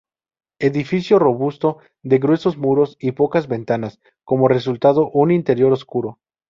Edificio robusto de gruesos muros y pocas ventanas, como resultado un interior oscuro.